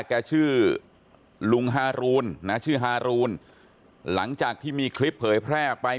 แกชื่อลุงฮารูนนะชื่อฮารูนหลังจากที่มีคลิปเผยแพร่ไป